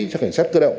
cho cảnh sát cơ động